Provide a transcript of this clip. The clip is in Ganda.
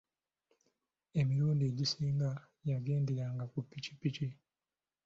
Emirundi egisinga yagenderanga ku pikipiki.